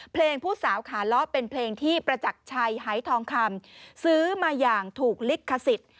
เพลงผู้สาวขาล้อเป็นเพลงที่ประจักรชัยหายทองคำซื้อมาอย่างถูกลิขสิทธิ์